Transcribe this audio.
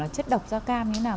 chất độc gia cam như thế nào